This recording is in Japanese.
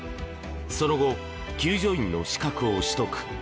その後、救助員の資格を取得。